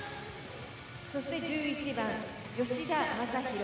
そして１１番吉田昌弘。